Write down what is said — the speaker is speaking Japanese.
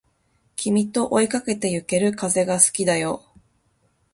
君と追いかけてゆける風が好きだよ